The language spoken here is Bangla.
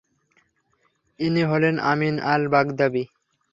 এনি হলেন আমির আল-বাগদাবী।